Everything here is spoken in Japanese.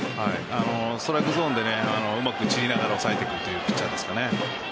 ストライクゾーンでうまく抑えていくというピッチャーですね。